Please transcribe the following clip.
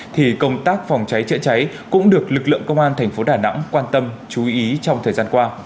thì công tác phòng cháy chữa cháy cũng được lực lượng công an thành phố đà nẵng quan tâm chú ý trong thời gian qua